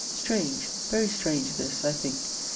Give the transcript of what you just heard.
Strange, very strange, this, I think!